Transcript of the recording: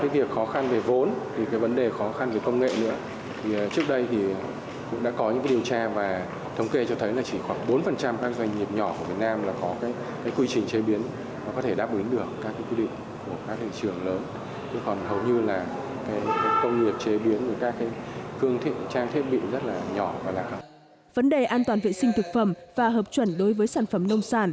vấn đề an toàn vệ sinh thực phẩm và hợp chuẩn đối với sản phẩm nông sản